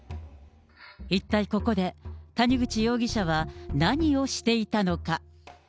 一体ここで谷口容疑者は何をしていたのか。